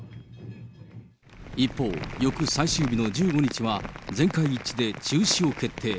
一方、翌最終日の１５日は全会一致で中止を決定。